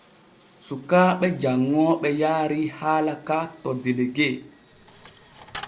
Sukaaɓe janŋooɓe yaarii haala ka to delegue.